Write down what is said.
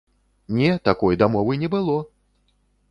Не, такой дамовы не было!